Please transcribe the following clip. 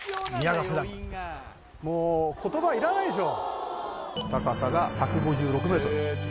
もう言葉いらないでしょ。